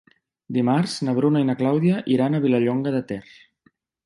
Dimarts na Bruna i na Clàudia iran a Vilallonga de Ter.